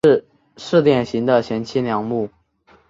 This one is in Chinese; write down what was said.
是典型的贤妻良母。